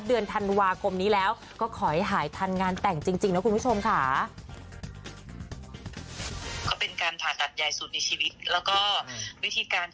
เดือนธันวาคมนี้แล้วก็ขอให้หายทันงานแต่งจริงนะคุณผู้ชมค่ะ